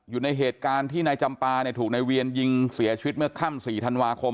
อยู่ในเหตุการณ์ที่นายจำปาเนี่ยถูกนายเวียนยิงเสียชีวิตเมื่อค่ำ๔ธันวาคม